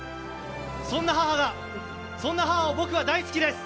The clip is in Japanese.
そんな母が、そんな母を僕は大好きです！